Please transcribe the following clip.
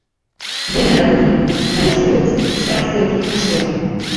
Dena dago egiteko, baina zorionez ez gara zerotik hasi behar.